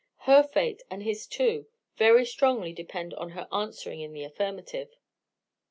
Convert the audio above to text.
her fate and his too, very strongly depend on her answering in the affirmative.